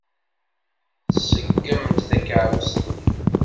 Tṣeggem-d takeṛṛust-nni.